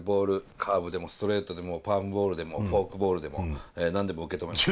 カーブでもストレートでもパームボールでもフォークボールでも何でも受け止めます」。